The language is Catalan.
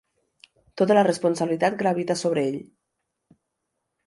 Tota la responsabilitat gravita sobre ell.